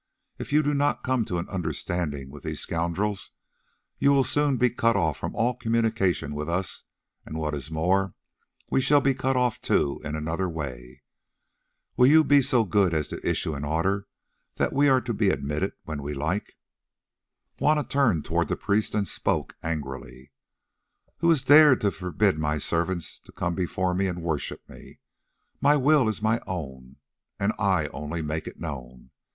"If you do not come to an understanding with these scoundrels, you will soon be cut of from all communication with us, and what is more, we shall be cut off too in another way. Will you be so good as to issue an order that we are to be admitted when we like?" Juanna turned towards the priest and spoke angrily: "Who has dared to forbid my servants to come before me and worship me? My will is my own, and I only make it known.